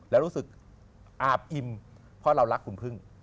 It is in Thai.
แล้วรู้สึกอาบอิ่มเพราะเรารักคุณพึ่ง